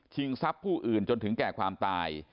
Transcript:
ทรัพย์ผู้อื่นจนถึงแก่ความตาย